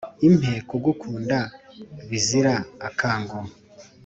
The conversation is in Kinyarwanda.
Impe kugukunda bizira akango